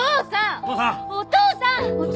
お父さん！